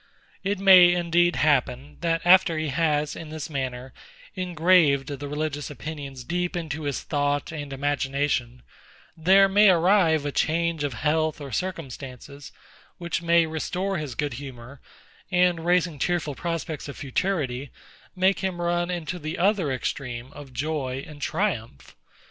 It may indeed happen, that after he has, in this manner, engraved the religious opinions deep into his thought and imagination, there may arrive a change of health or circumstances, which may restore his good humour, and raising cheerful prospects of futurity, make him run into the other extreme of joy and triumph.